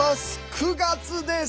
９月です！